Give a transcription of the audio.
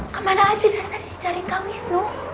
kemana aja dari tadi dicariin kak wisnu